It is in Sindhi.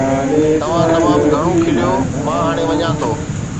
توهان تمام گهڻو کليو، مان هاڻي وڃان ٿو